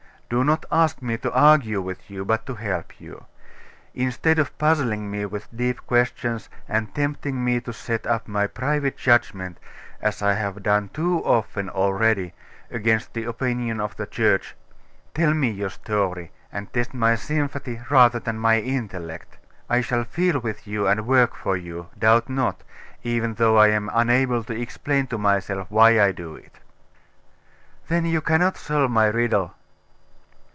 Do not ask me to argue with you, but to help you. Instead of puzzling me with deep questions, and tempting me to set up my private judgment, as I have done too often already, against the opinion of the Church, tell me your story, and test my sympathy rather than my intellect. I shall feel with you and work for you, doubt not, even though I am unable to explain to myself why I do it.' 'Then you cannot solve my riddle?